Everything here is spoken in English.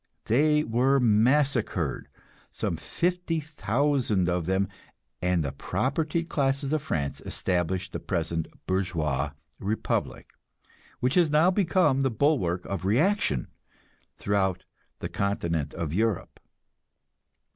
They were massacred, some 50,000 of them, and the propertied classes of France established the present bourgeois republic, which has now become the bulwark of reaction throughout the Continent of Europe.